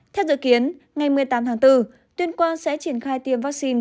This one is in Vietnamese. theo dự kiến ngày một mươi tám tháng bốn tuyên quang sẽ triển khai tiêm vaccine